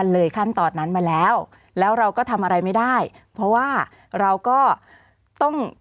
แล้วเราก็ทำอะไรไม่ได้เพราะว่าเราก็ต้อง